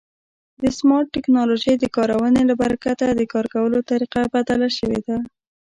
د سمارټ ټکنالوژۍ د کارونې له برکته د کار کولو طریقه بدله شوې ده.